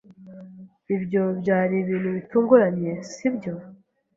Ibyo byari ibintu bitunguranye, sibyo?